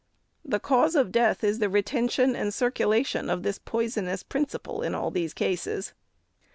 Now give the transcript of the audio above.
The cause of death is the retention and circulation of this poison ous principle in all these cases.